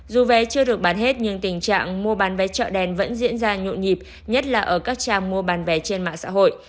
dù vé chưa được bán hết nhưng tình trạng mua bán vé chợ đen vẫn diễn ra nhộn nhịp nhất là ở các trang mua bán vé trên mạng xã hội